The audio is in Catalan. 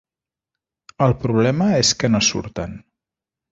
El problema és que no surten.